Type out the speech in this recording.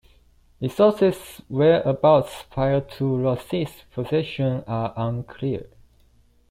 The source's whereabouts prior to Rossi's possession are unclear.